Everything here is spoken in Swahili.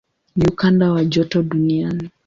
Ni ukanda wa joto duniani.